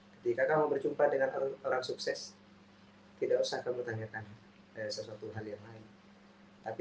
ketika kamu berjumpa dengan orang sukses tidak usah kamu tanyakan sesuatu hal yang lain tapi